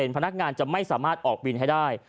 พนักงานจะไม่สามารถออกบินให้ได้